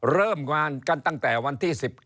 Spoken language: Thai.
เริ่มงานกันตั้งแต่วันที่๑๙